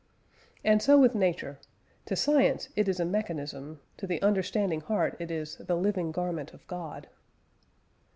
And so with Nature; to science it is a mechanism, to the understanding heart it is "the living garment of God."